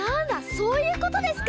そういうことですか！